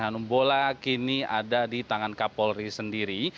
hanum bola kini ada di tangan kapolri sendiri